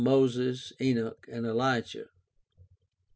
Moses, Enoch, Elijah).